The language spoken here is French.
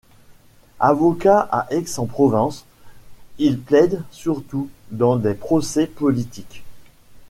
Avocat à Aix-en-Provence, il plaide surtout dans des procès politiques.